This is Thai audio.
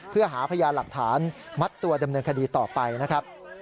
เพื่อหาพยานหลักฐานมัดตัวดำเนินคดีต่อไปนะครับ